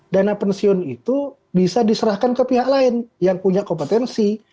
dana pensiun itu bisa diserahkan ke pihak lain yang punya kompetensi